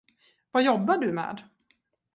Vad jobbar du med?